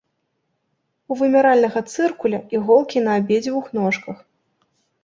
У вымяральнага цыркуля іголкі на абедзвюх ножках.